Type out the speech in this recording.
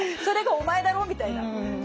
それがお前だろ？みたいな。